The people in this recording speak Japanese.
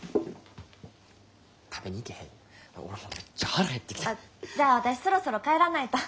あっじゃあ私そろそろ帰らないと。